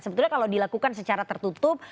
sebetulnya kalau dilakukan secara tertutup